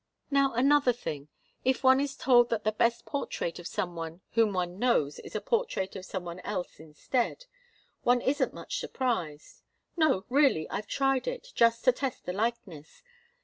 Now, another thing. If one is told that the best portrait of some one whom one knows is a portrait of some one else instead, one isn't much surprised. No, really I've tried it, just to test the likeness.